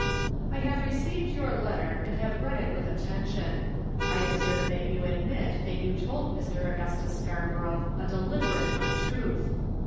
"I have received your letter and have read it with attention. I observe that you admit that you told Mr. Augustus Scarborough a deliberate untruth.